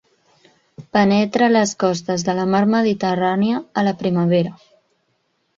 Penetra a les costes de la Mar Mediterrània a la primavera.